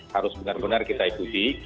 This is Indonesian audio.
harus benar benar kita ikuti